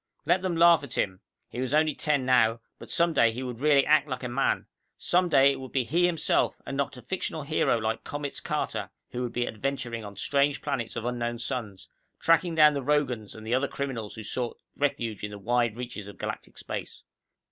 Let them laugh at him. He was only ten now, but some day he would really act like a man. Some day it would be he himself, and not a fictional hero like Comets Carter, who would be adventuring on strange planets of unknown suns, tracking down the Rogans and the other criminals who sought refuge in the wide reaches of galactic space.